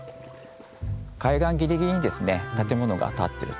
海岸ギリギリに建物が建ってると。